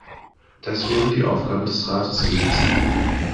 Das wäre die Aufgabe des Rates gewesen.